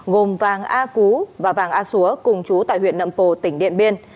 gồm vàng a cú và vàng a xúa cùng chú tại huyện nậm pồ tỉnh điện biên